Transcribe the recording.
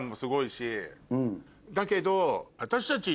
だけど。